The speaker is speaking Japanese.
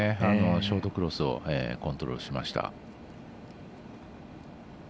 ショートクロスをコントロールしました。